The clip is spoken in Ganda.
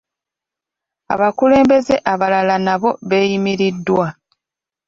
Abakulembeze abalala nabo beeyimiriddwa.